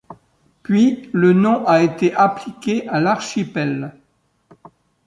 Puis le nom a été appliqué à l'archipel.